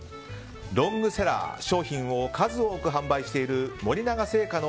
ロングセラー商品を数多く販売している森永製菓の